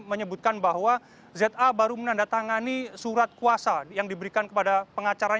menyebutkan bahwa za baru menandatangani surat kuasa yang diberikan kepada pengacaranya